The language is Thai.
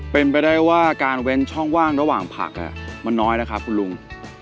เป็นไปได้ว่าการเว้นช่องว่างระหว่างผักมันน้อยแล้วครับคุณลุง